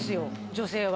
女性は。